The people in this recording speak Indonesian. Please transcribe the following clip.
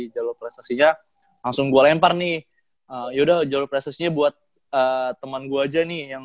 jalur prestasinya langsung gue lempar nih yaudah jalur prestasinya buat temen gue aja nih yang